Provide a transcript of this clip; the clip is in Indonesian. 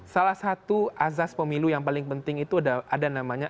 salah satu azas pemilu yang paling penting itu ada namanya